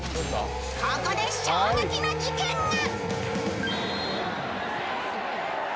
そこで衝撃の事件が。